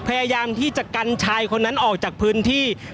ก็น่าจะมีการเปิดทางให้รถพยาบาลเคลื่อนต่อไปนะครับ